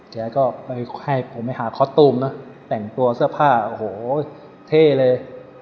แกก็ไปให้ผมไปหาคอสตูมนะแต่งตัวเสื้อผ้าโอ้โหเท่เลย